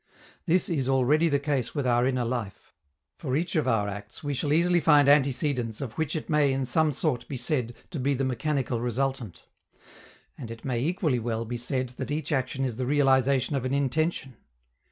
This is already the case with our inner life. For each of our acts we shall easily find antecedents of which it may in some sort be said to be the mechanical resultant. And it may equally well be said that each action is the realization of an intention.